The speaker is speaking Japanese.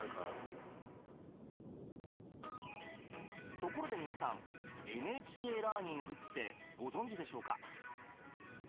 ところで皆さんＮＨＫラーニングってご存じでしょうか？